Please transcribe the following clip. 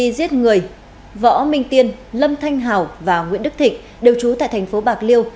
vì giết người võ minh tiên lâm thanh hảo và nguyễn đức thịnh đều trú tại thành phố bạc liêu